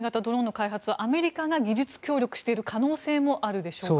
ということは今回の半潜水型ドローンの開発というのはアメリカが技術協力している可能性もあるでしょうか？